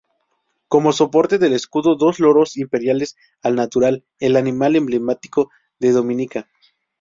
Como soportes del escudo, dos loros imperiales al natural, el animal emblemático de Dominica.